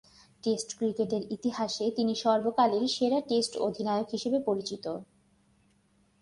Test ক্রিকেটের ইতিহাসে তিনি সর্বকালের সেরা টেস্ট অধিনায়ক হিসেবে পরিচিত।